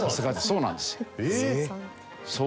そうなんですよ。